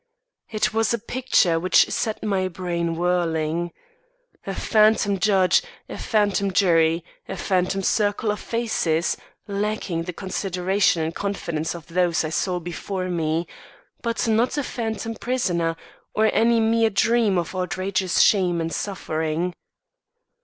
It was a picture which set my brain whirling. A phantom judge, a phantom jury, a phantom circle of faces, lacking the consideration and confidence of those I saw before me; but not a phantom prisoner, or any mere dream of outrageous shame and suffering.